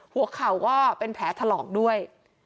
หัวเข่าก็เป็นแผลถลอกด้วย